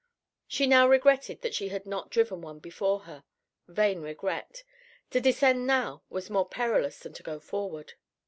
She now regretted that she had not driven one before her. Vain regret. To descend now was more perilous than to go forward.